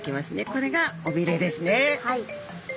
これがおびれですね。